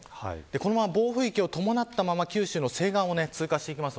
このまま暴風域を伴ったまま九州の西岸を通過していきます。